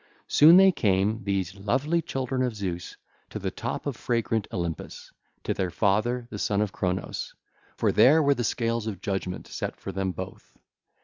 Soon they came, these lovely children of Zeus, to the top of fragrant Olympus, to their father, the Son of Cronos; for there were the scales of judgement set for them both.